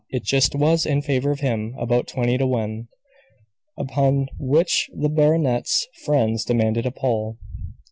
It just was in favor of him; about twenty to one. Upon which the baronet's friends demanded a poll.